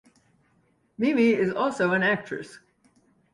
Mimi is also an actress.